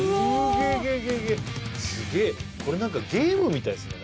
げげげっすげこれ何かゲームみたいですね